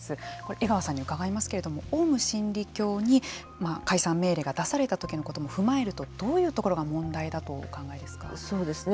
江川さんに伺いますけれどもオウム真理教に解散命令が出されたときのことを踏まえるとどういうところが問題だとお考えですか。